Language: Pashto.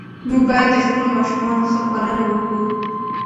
موږ باید د خپلو ماشومانو ښه پالنه وکړو.